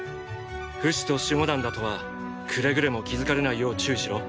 フシと守護団だとはくれぐれも気付かれないよう注意しろ。